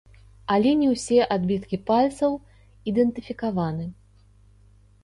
Але не ўсе адбіткі пальцаў ідэнтыфікаваны.